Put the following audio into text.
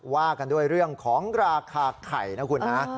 ว่ากันด้วยเรื่องของราคาไข่นะคุณนะ